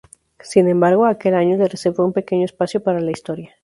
Sin embargo, aquel año le reservó un pequeño espacio para la historia.